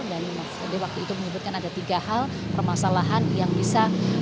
dan mahfud md waktu itu menyebutkan ada tiga hal permasalahan yang bisa